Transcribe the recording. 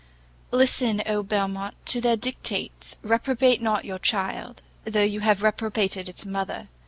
Listen, Oh Belmont, to their dictates! reprobate not your child, though you have reprobated its mother.